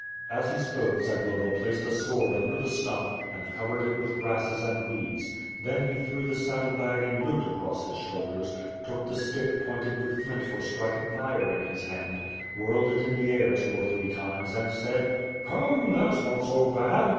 As he spoke, Zagloba placed a sword under the stump, and covered it with grasses and weeds, then he threw the saddle bag and lute across his shoulders, took the stick pointed with flint for striking fire in his hand, whirled it in the air two or three times, and said: "Come, that's not so bad.